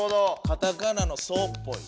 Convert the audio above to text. カタカナの「ソ」っぽい。